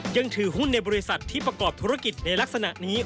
ยังถือหุ้นในบริษัทที่ประกอบธุรกิจในลักษณะนี้